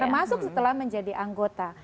termasuk setelah menjadi anggota